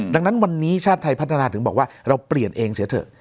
ดังนั้นวันนี้ชาติไทยพัฒนาถึงบอกว่าเราเปลี่ยนเองเสียเถอะ